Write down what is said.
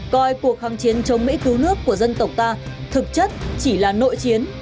coi cuộc kháng chiến chống mỹ cứu nước của dân tộc ta thực chất chỉ là nội chiến